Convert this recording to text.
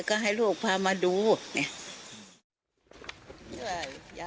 ก็ให้ลูกพามาดูเนี่ย